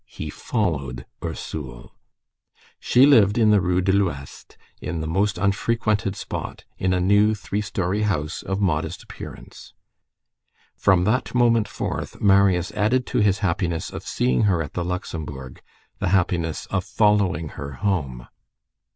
He followed "Ursule." She lived in the Rue de l'Ouest, in the most unfrequented spot, in a new, three story house, of modest appearance. From that moment forth, Marius added to his happiness of seeing her at the Luxembourg the happiness of following her home.